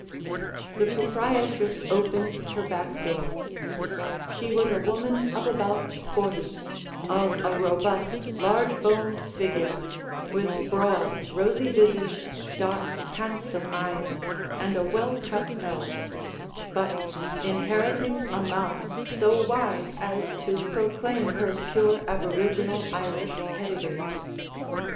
The proprietress opened her back door. She was a woman of about forty; of a robust, large boned figure; with broad, rosy visage, dark, handsome eyes, and well cut nose: but inheriting a mouth so wide as to proclaim her pure aboriginal Irish pedigree.